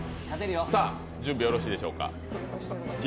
さあ、準備よろしいでしょうか。